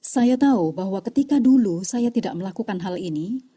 saya tahu bahwa ketika dulu saya tidak melakukan hal ini